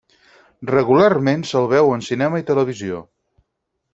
Regularment se'l veu en cinema i televisió.